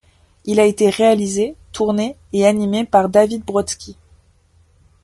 Il a été réalisé, tournée et animé par David Brodsky.